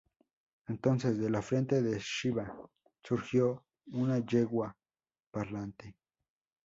Entonces de la frente de Shiva surgió una yegua parlante.